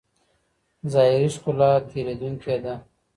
ظاهري ښکلا تېرېدونکې ده.